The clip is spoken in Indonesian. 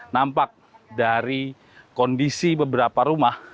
nampak dari kondisi beberapa rumah